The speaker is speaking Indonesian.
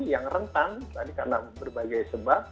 yang rentan tadi karena berbagai sebab